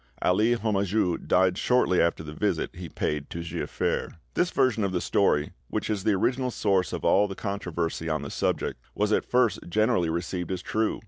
Ali Homajou died shortly after the visit he paid to Giafer." This version of the story, which is the original source of all the controversy on the subject, was at first generally received as true.